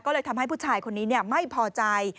ก็เลยทำให้ผู้ชายคนนี้ไม่พอใจ